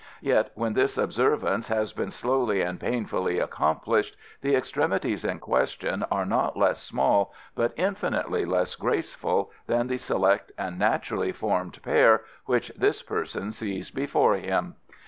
Yet when this observance has been slowly and painfully accomplished, the extremities in question are not less small but infinitely less graceful than the select and naturally formed pair which this person sees before him."